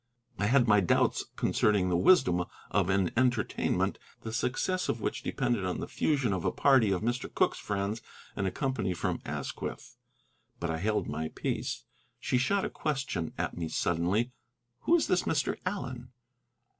I had my doubts concerning the wisdom of an entertainment, the success of which depended on the fusion of a party of Mr. Cooke's friends and a company from Asquith. But I held my peace. She shot a question at me suddenly: "Who is this Mr. Allen?"